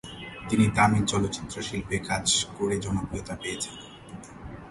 তিনি তামিল চলচ্চিত্র শিল্পে কাজ করে জনপ্রিয়তা পেয়েছেন।